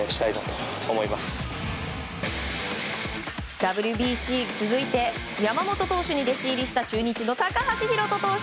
ＷＢＣ続いて山本投手に弟子入りした中日の高橋宏斗投手。